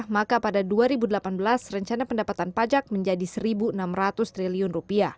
maka pada dua ribu delapan belas rencana pendapatan pajak menjadi rp satu enam ratus triliun